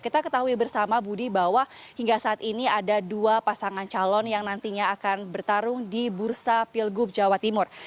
kita ketahui bersama budi bahwa hingga saat ini ada dua pasangan calon yang nantinya akan bertarung di bursa pilgub jawa timur